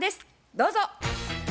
どうぞ。